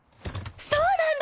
そうなんだ！